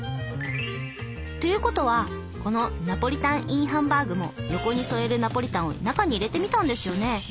ということはこの「ナポリタンｉｎハンバーグ」も横に添えるナポリタンを中に入れてみたんですよね？